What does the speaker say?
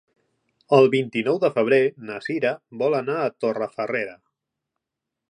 El vint-i-nou de febrer na Sira vol anar a Torrefarrera.